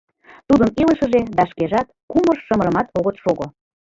Тудын илышыже да шкежат кумыр-шымырымат огыт шого.